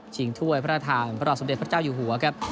ชิงถ้วยพระธาตุธรรมรัฐสมเด็จพระเจ้าอยู่หัวครับ